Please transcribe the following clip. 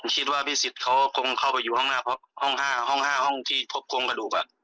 คิดว่าพี่สิทธิ์เขาก็คงเข้าไปอยู่ห้อง๕ห้องที่พบโค้งกระดูก